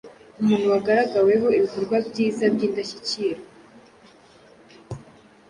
Umuntu wagaragaweho ibikorwa byiza by’ indashyikirwa.